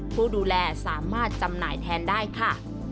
ผู้ดูแลสามารถจำหน่ายแทนได้ค่ะ